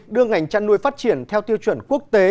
đưa ngành chăn nuôi phát triển theo tiêu chuẩn quốc tế